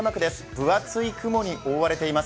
分厚い雲に覆われています。